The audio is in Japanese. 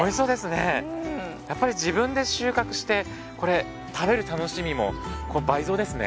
やっぱり自分で収穫してこれ食べる楽しみも倍増ですね。